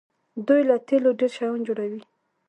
دوی له تیلو ډیر شیان جوړوي.